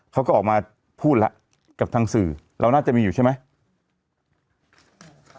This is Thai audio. เขาก็ออกมาพูดแล้วกับทางสื่อเราน่าจะมีอยู่ใช่ไหม